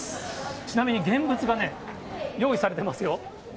ちなみに現物がね、用意されてますよ。